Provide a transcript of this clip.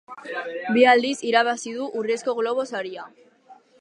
Bi aldiz irabazi du Urrezko Globo saria.